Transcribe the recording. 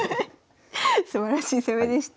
すばらしい攻めでした。